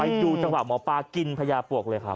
ดูจังหวะหมอปลากินพญาปวกเลยครับ